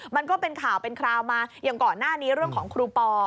มันก็เป็นข่าวเป็นคราวมาอย่างก่อนหน้านี้เรื่องของครูปอ